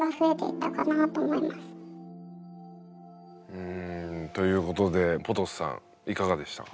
うんということでポトスさんいかがでしたか？